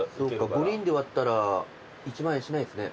５人で割ったら１万円しないですね。